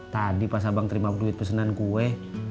tadi pas abang terima duit pesanan kue